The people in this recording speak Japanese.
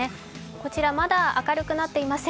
こちらはまだ明るくなっていません。